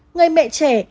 người mẹ trẻ đi tìm kiếm